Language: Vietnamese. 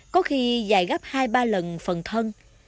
có khi dài gấp hai ba lần phần thân